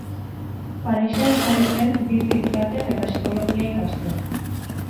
Parisen jarri zen bizi izaten eta psikologia ikasten.